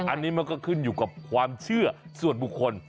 อันนี้มันก็ขึ้นอยู่กับความเชื่อส่วนบุคคล